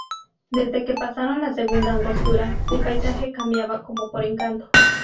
Desde que pasaron la segunda angostura, el paisaje cambiaba como por encanto.